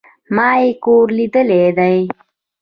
ما ئې کور ليدلى دئ